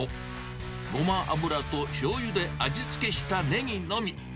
ゴマ油としょうゆで味付けしたネギのみ。